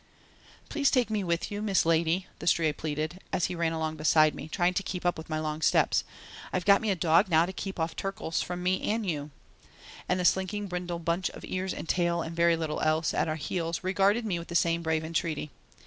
"Please take me with you, Miss Lady," the Stray pleaded, as he ran along beside me, trying to keep up with my long steps. "I've got me a dog now to keep off turkles from me and you." And the slinking brindle bunch of ears and tail and very little else, at our heels, regarded me with the same brave entreaty.